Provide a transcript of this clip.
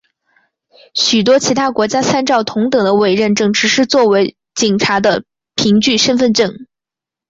许多其他国家参照同等的委任证只是作为警察的凭据身份证。